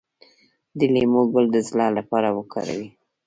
د لیمو ګل د زړه لپاره وکاروئ